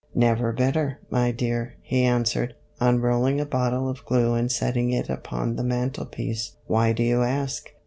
" Never better, my dear," he answered, unrolling a bottle of glue and setting it upon the mantel piece. "Why do you ask?"